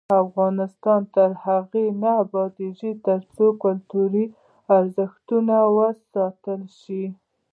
افغانستان تر هغو نه ابادیږي، ترڅو کلتوري ارزښتونه وساتل شي.